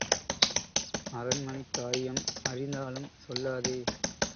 அரண்மனைக் காரியம் அறிந்தாலும் சொல்லாதே.